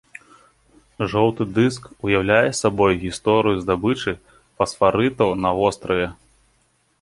Жоўты дыск уяўляе сабой гісторыю здабычы фасфарытаў на востраве.